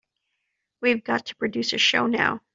We've got to produce a show now.